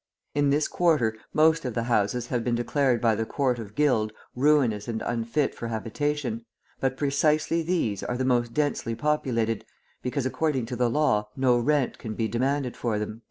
In this quarter most of the houses have been declared by the Court of Guild ruinous and unfit for habitation, but precisely these are the most densely populated, because, according to the law, no rent can be demanded for them."